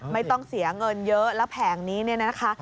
ไม่ต้องเสียเงินเยอะและแผงนี้นะคะ